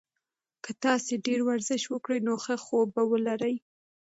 که تاسي ډېر ورزش وکړئ نو ښه خوب به ولرئ.